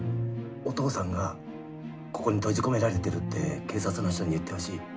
お父さんがここに閉じ込められてるって警察の人に言ってほしい。